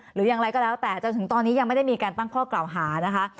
หรืออย่างไรก็แล้วแต่จนถึงตอนนี้ยังไม่ได้มีการตั้งข้อกล่าวหานะคะ